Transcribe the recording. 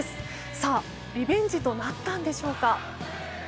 さあリベンジとなったんでしょうか。